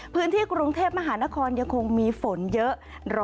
พื้นที่กรุงเทพมหานครยังคงมีฝนเยอะ